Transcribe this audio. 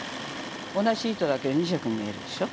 同じ糸だけど２色に見えるでしょ？